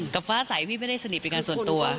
ฟ้าใสพี่ไม่ได้สนิทเป็นการส่วนตัว